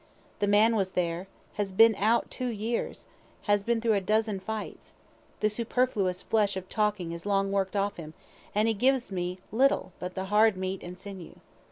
The man was there, has been out two years, has been through a dozen fights, the superfluous flesh of talking is long work'd off him, and he gives me little but the hard meat and sinew.